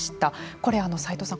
これ、斎藤さん